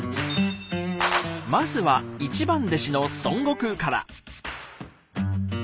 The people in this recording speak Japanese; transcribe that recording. まずは一番弟子の孫悟空から。